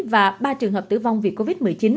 và ba trường hợp tử vong vì covid một mươi chín